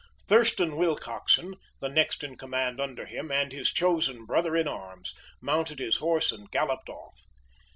Thurston Willcoxen, the next in command under him, and his chosen brother in arms, mounted his horse and galloped off.